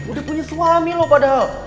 udah punya suami loh padahal